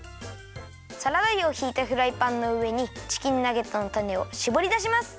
サラダ油をひいたフライパンのうえにチキンナゲットのタネをしぼりだします。